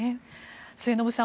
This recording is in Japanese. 末延さん